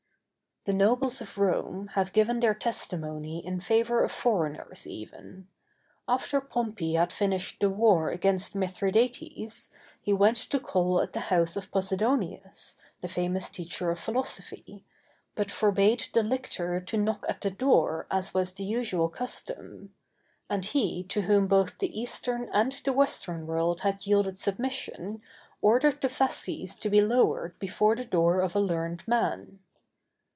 The nobles of Rome have given their testimony in favor of foreigners, even. After Pompey had finished the war against Mithridates, he went to call at the house of Posidonius, the famous teacher of philosophy, but forbade the lictor to knock at the door, as was the usual custom; and he, to whom both the eastern and the western world had yielded submission, ordered the fasces to be lowered before the door of a learned man.